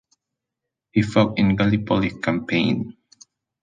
He fought in the Gallipoli Campaign.